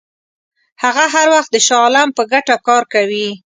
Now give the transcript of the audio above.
هغه هر وخت د شاه عالم په ګټه کار کوي.